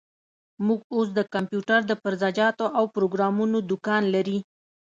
موږ اوس د کمپيوټر د پرزه جاتو او پروګرامونو دوکان لري.